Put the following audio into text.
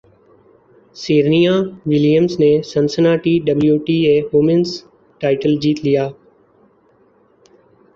Serena Williams نے Cincinnati W T A women's title جیت لیا